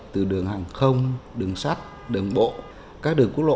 từ đường hàng không đường sắt đường bộ các đường quốc lộ